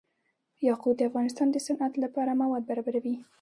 یاقوت د افغانستان د صنعت لپاره مواد برابروي.